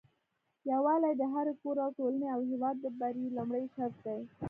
يوالي د هري کور او ټولني او هيواد د بری لمړي شرط دي